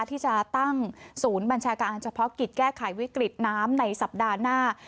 ที่จะตั้งศูนย์บัญชาการเฉพาะกิจแก้ไขวิกฤตน้ำในสัปดาห์หน้า